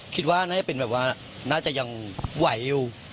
คิดว่าน่าจะเป็นแบบว่าน่าจะยังไหวอยู่